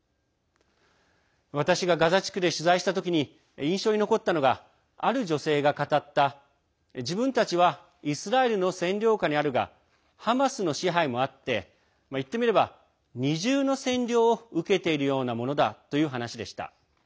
私が、ガザ地区で取材した時に印象に残ったのがある女性が語った、自分たちはイスラエルの占領下にあるがハマスの支配もあって言ってみれば二重の占領を受けているようなものだという話でした。